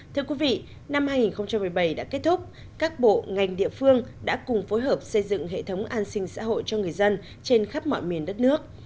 thưa quý vị năm hai nghìn một mươi bảy đã kết thúc các bộ ngành địa phương đã cùng phối hợp xây dựng hệ thống an sinh xã hội cho người dân trên khắp mọi miền đất nước